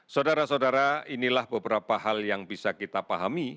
saudara saudara inilah beberapa hal yang bisa kita pahami